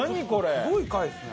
すごい回っすね。